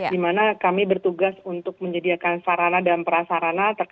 di mana kami bertugas untuk menyediakan sarana dan prasarana